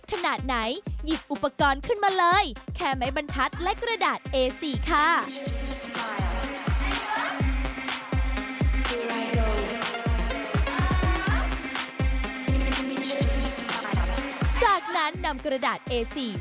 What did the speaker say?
จากนั้นดำกรดาษเอสี่